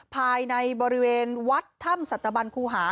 ภายในบริเวณวัดถ้ำสัตบันครูหา